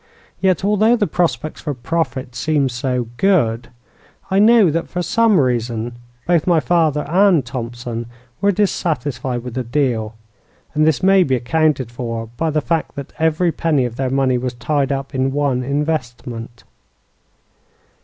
Yet, although the prospects for profit seemed so good, I know that for some reason both my father and Thompson were dissatisfied with the deal, and this may be accounted for by the fact that every penny of their money was tied up in one investment.